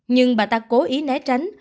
nhưng bà ta cố ý né tránh